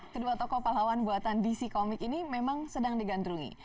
kedua tokoh pahlawan buatan dc comic ini memang sedang digandrungi